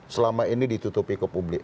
selama ini ditutupi ke publik